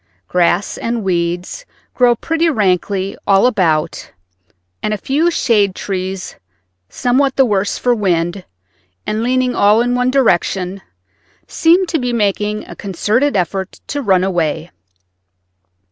Grass and weeds grow pretty rankly all about, and a few shade trees, somewhat the worse for wind, and leaning all in one direction, seem to be making a concerted effort to run away.